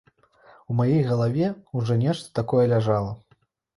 У маёй галаве ўжо нешта такое ляжала.